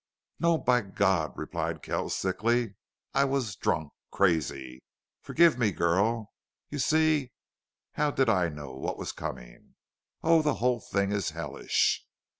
"No, by God!" replied Kells, thickly. "I was drunk crazy.... Forgive me, girl! You see how did I know what was coming?... Oh, the whole thing is hellish!"